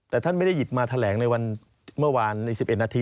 แต่ท่านไม่ได้หยิบมาแถลงในวันเมื่อวานใน๑๑นาที